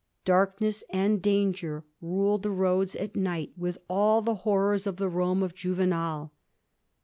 Darkness and danger ruled the roads at night with all the horrors of the Rome of Juvenal.